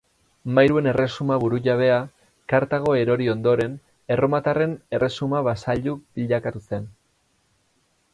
Mairuen erresuma burujabea, Kartago erori ondoren, erromatarren erresuma-basailu bilakatu zen.